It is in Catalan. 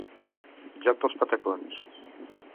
Joc dels patacons.